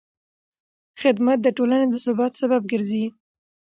خدمت د ټولنې د ثبات سبب ګرځي.